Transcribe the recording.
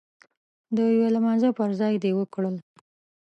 د يو لمانځه پر ځای دې وکړل.